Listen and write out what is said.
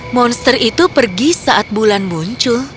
monster itu pergi saat bulan muncul